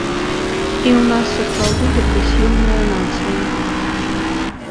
І ў нас сапраўды дэпрэсіўная нацыя.